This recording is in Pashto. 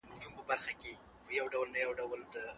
سیاستوال تعصب د قدرت لپاره کاروي